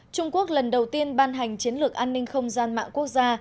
trung quốc lần đầu tiên ban hành chiến lược an ninh không gian mạng quốc gia